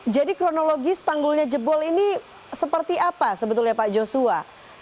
jadi kronologis tanggulnya jebol ini seperti apa sebetulnya pak joshua